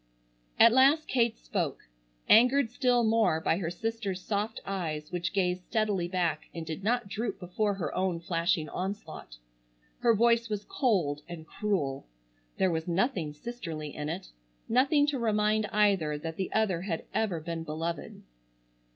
At last Kate spoke, angered still more by her sister's soft eyes which gazed steadily back and did not droop before her own flashing onslaught. Her voice was cold and cruel. There was nothing sisterly in it, nothing to remind either that the other had ever been beloved.